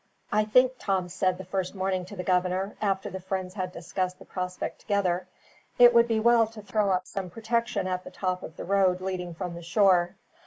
"I think," Tom said the first morning to the governor, after the friends had discussed the prospect together, "it would be well to throw up some protection at the top of the road leading from the shore.